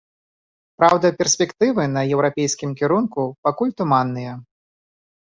Праўда, перспектывы на еўрапейскім кірунку пакуль туманныя.